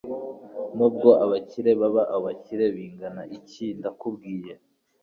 nubwo abakire baba abakire bingana iki, ndakubwiye